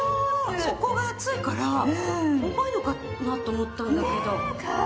底が厚いから重いのかなと思ったんだけど。